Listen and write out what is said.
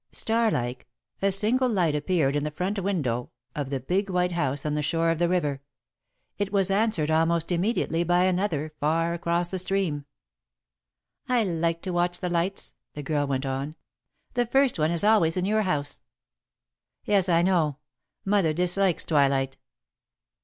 Star like, a single light appeared in the front window of the big white house on the shore of the river. It was answered almost immediately by another, far across the stream. "I like to watch the lights," the girl went on. "The first one is always in your house." "Yes, I know. Mother dislikes twilight."